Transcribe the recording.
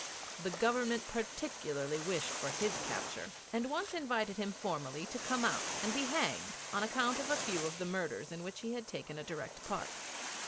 The Government particularly wished for his capture, and once invited him formally to come out and be hanged on account of a few of the murders in which he had taken a direct part.